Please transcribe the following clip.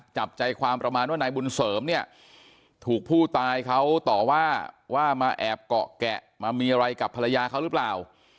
จับใจความประมาณว่านายบุญเสริมเนี่ยถูกผู้ตายเขาต่อว่าว่ามาแอบเกาะแกะมามีอะไรกับภรรยาเขาหรือเปล่า